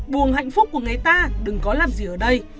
buồng hạnh phúc của người ta đừng có làm gì ở đây